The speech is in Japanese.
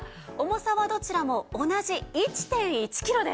重さはどちらも同じ１．１キロです。